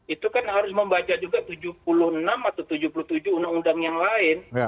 itu kan harus membaca juga tujuh puluh enam atau tujuh puluh tujuh undang undang yang lain